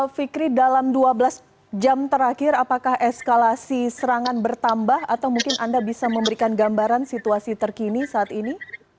fikri dalam dua belas jam terakhir apakah eskalasi serangan bertambah atau mungkin anda bisa memberikan gambaran situasi terkini saat ini